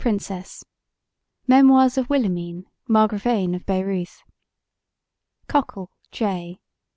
PRINCESS: Memoirs of Wilhelmine, Margravine of Baireuth COCKLE, J.